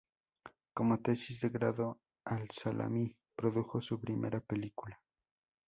Como tesis de grado, al-Salami produjo su primera película.